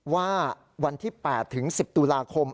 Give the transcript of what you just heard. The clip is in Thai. ว่าวันที่๘ถึง๑๐ตุลาคม